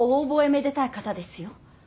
めでたい方ですよ。